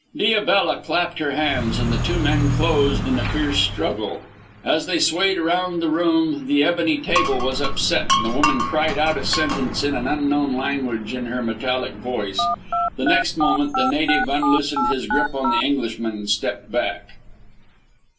Diabella clapped her hands and the two men closed in a fierce struggle. As they swayed round the room the ebony table was upset and the woman cried out a sentence in an unknown language in her metallic voice. The next moment the native unloosened his grip on the Englishman and stepped back.